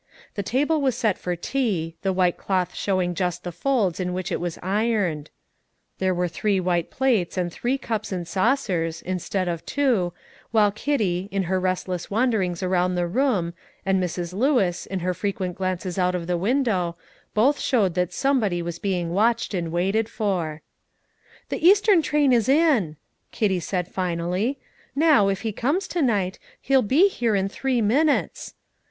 The table was set for tea, the white cloth showing just the folds in which it was ironed; there were three plates and three cups and saucers, instead of two, while Kitty, in her restless wanderings around the room, and Mrs. Lewis, in her frequent glances out of the window, both showed that somebody was being watched and waited for. "The eastern train is in," Kitty said finally "Now, if he comes to night, he'll be here in three minutes."